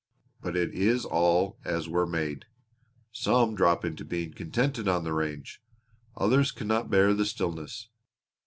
But it is all as we're made. Some drop into being contented on the range; others cannot bear the stillness.